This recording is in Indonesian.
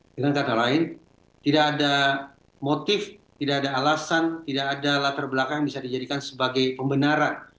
dengan kata lain tidak ada motif tidak ada alasan tidak ada latar belakang yang bisa dijadikan sebagai pembenaran